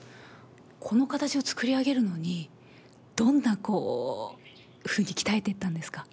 この形を作り上げるのに、どんなふうに鍛えていったんですか